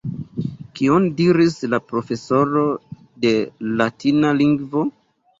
Kion diris la profesoro de latina lingvo?